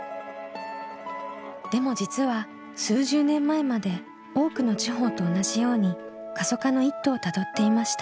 でも実は数十年前まで多くの地方と同じように過疎化の一途をたどっていました。